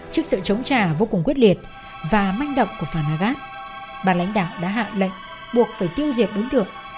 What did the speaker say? trước sự chống trả vô cùng quyết liệt và manh động của phà nagat bà lãnh đạo đã hạ lệnh buộc phải tiêu diệt đối tượng